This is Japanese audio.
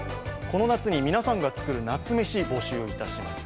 この夏に皆さんが作る夏メシ募集いたします。